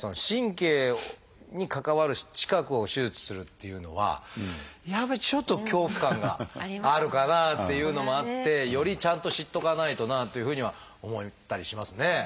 神経に関わる近くを手術するっていうのはやっぱりちょっと恐怖感があるかなっていうのもあってよりちゃんと知っとかないとなというふうには思ったりしますね。